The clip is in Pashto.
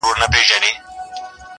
• اه څه نا پوه وم څه ساده دي کړمه..